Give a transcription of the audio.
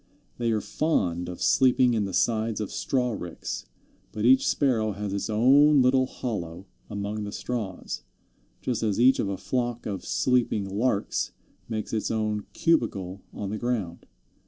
They are fond of sleeping in the sides of straw ricks, but each Sparrow has its own little hollow among the straws, just as each of a flock of sleeping Larks makes its own "cubicle" on the ground.